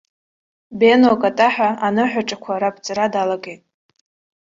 Бено акатаҳәа аныҳәаҿақәа раԥҵара далагеит.